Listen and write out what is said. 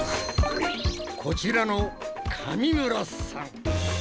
こちらの上村さん！